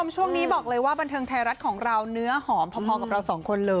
ช่วงนี้บอกเลยว่าบันเทิงไทยรัฐของเราเนื้อหอมพอกับเราสองคนเลย